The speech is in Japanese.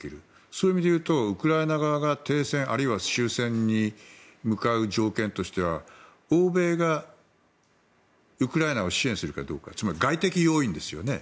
そういう意味でいうとウクライナ側が停戦、あるいは終戦に向かう条件としては、欧米がウクライナを支援するかどうかつまり外的要因ですよね。